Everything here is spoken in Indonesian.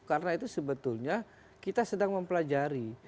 karena itu sebetulnya kita sedang mempelajari